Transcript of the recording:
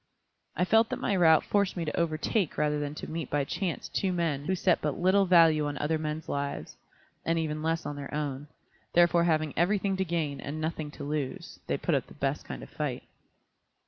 I felt that my route forced me to overtake rather than to meet by chance two men who set but little value on other men's lives, and even less on their own; therefore having everything to gain and nothing to lose, they put up the best kind of a fight.